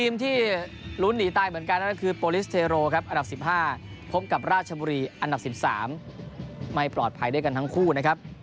เมื่อร้านคราว๑๕พบกับราชบุรีอันดับ๑๓ไม่ปลอดภัยด้วยกันทั้งคู่นะครับ